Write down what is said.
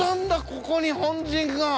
ここに本陣が。